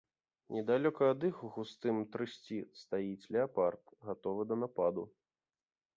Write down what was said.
Недалёка ад іх у густым трысці стаіць леапард, гатовы да нападу.